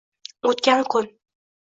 О’tkan kun